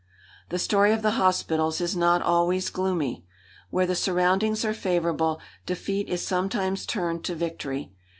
The story of the hospitals is not always gloomy. Where the surroundings are favourable, defeat is sometimes turned to victory.